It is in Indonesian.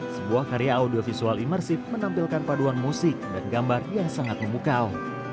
sebuah karya audiovisual imersif menampilkan paduan musik dan gambar yang sangat memukau